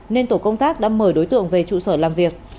nên tổ công tác đã mời đối tượng về trụ sở làm việc